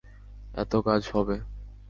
এতে কাজ হবে।